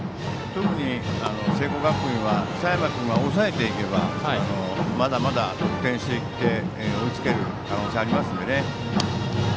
特に聖光学院は佐山君が抑えていけばまだまだ得点していって追いつける可能性はありますので。